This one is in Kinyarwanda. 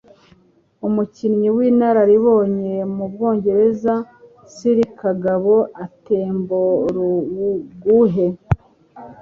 umukinnyi w'inararibonye mu Bwongereza, Sir Kagabo Attenborough